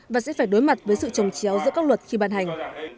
và sẽ phải đối mặt với sự trồng chéo giữa các luật khi bàn hành